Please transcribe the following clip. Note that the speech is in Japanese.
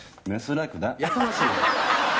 「やかましいわ！」